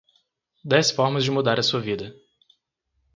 Dez formas de mudar a sua vida